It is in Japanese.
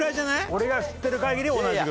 俺が知ってる限り同じぐらい。